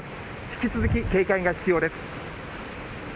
引き続き警戒が必要です。